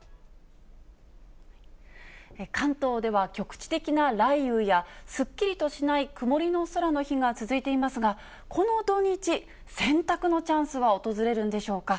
関東では局地的な雷雨や、すっきりとしない曇りの空の日が続いていますが、この土日、洗濯のチャンスは訪れるんでしょうか。